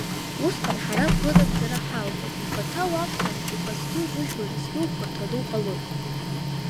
Усҟан ҳара гәынамӡара ҳауӡом, ухаҭа уакәзар, ухазгьы ужәлар рзгьы ухәарҭаны уҟалоит.